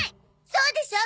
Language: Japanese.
そうでしょ？